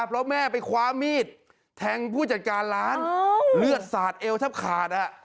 เพราะแม่ไปคว้ามีดแทงผู้จัดการร้านเลือดสาดเอวแทบขาด